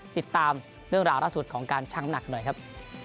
ติดตามเรื่องราวล่าสุดของการชั่งหนักหน่อยครับ